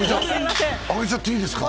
あげちゃっていいんですか？